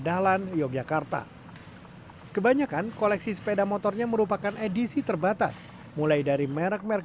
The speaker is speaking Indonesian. dalan yogyakarta kebanyakan koleksi sepeda motornya merupakan edisi terbatas mulai dari merek merek